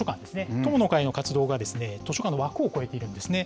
友の会の活動が図書館の枠を超えているんですね。